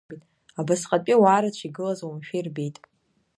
Абасҟатәи ауаарацәа игылаз уамашәа ирбеит.